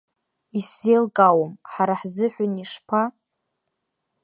Исзеилкаауам, ҳара ҳзыҳәан ишԥа?